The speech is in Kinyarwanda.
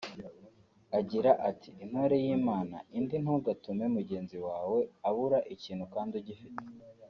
Agira ati “Intore yimana indi ntugatume mugenzi wawe abura ikintu kandi ugifite